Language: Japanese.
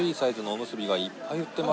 おむすび。